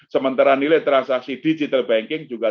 sementara nilai transaksi digital banking juga